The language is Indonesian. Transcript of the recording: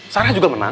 sarah juga menang